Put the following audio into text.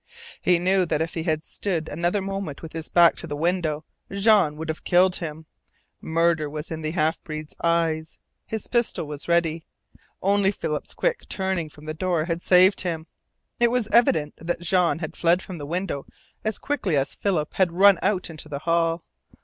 He knew that if he had stood another moment with his back to the window Jean would have killed him. Murder was in the half breed's eyes. His pistol was ready. Only Philip's quick turning from the door had saved him. It was evident that Jean had fled from the window as quickly as Philip had run out into the hall.